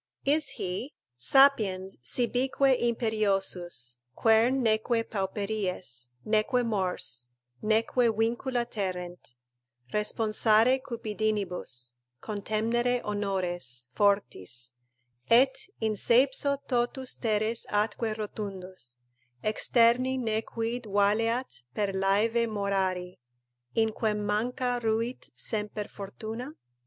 Is he: "Sapiens, sibique imperiosus, Quern neque pauperies, neque mors, neque vincula terrent; Responsare cupidinibus, contemnere honores Fortis; et in seipso totus teres atque rotundus, Externi ne quid valeat per laeve morari; In quem manca ruit semper fortuna?"